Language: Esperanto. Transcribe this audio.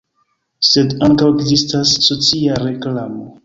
Sed ankaŭ ekzistas socia reklamo.